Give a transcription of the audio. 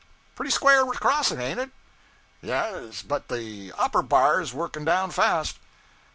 'Pretty square crossing, an't it?' 'Yes, but the upper bar 's working down fast.'